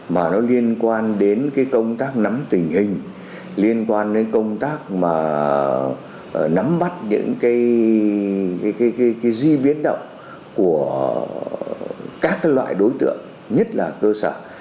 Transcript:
mà nó liên quan đến công tác nắm tình hình liên quan đến công tác nắm mắt những di biến động của các loại đối tượng nhất là cơ sở